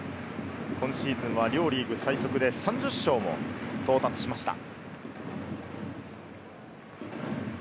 今シーズンは両リーグ最速で３０勝も到達しました。